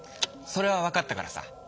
それはわかったからさ